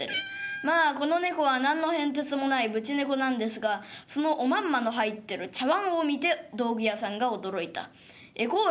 まあこの猫は何の変哲もないぶち猫なんですがそのおまんまの入ってる茶わんを見て道具屋さんが驚いた。